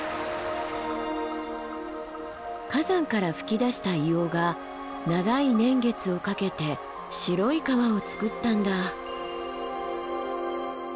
火山から噴き出した硫黄が長い年月をかけて白い川をつくったんだ。